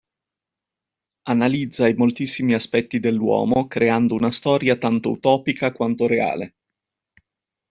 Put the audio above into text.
Analizza i moltissimi aspetti dell'uomo creando una storia tanto utopica quanto reale.